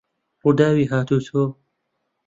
ڕووداوی هاتووچۆ